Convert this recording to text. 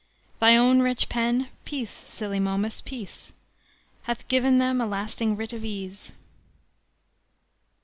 Thy own rich pen (peace, silly Momus, peace!) Hath given them a lasting writ of ease."